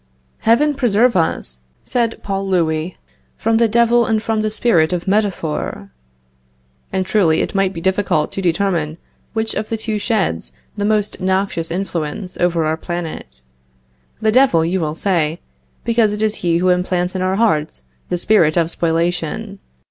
"Heaven preserve us," said Paul Louis, "from the Devil and from the spirit of metaphor!" And, truly, it might be difficult to determine which of the two sheds the most noxious influence over our planet. The Devil, you will say, because it is he who implants in our hearts the spirit of spoliation.